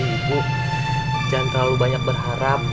ibu jangan terlalu banyak berharap